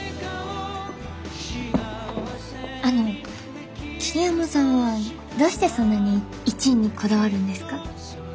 あの桐山さんはどうしてそんなに１位にこだわるんですか？